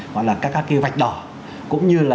hoặc là các cái vạch đỏ cũng như là